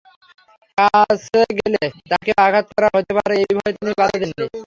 কাছে গেলে তাঁকেও আঘাত করা হতে পারে—এই ভয়ে তিনি বাধা দেননি।